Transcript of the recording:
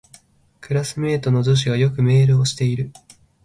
クラスメイトの女子がよくメールをしてくる